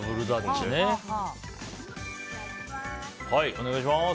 お願いします。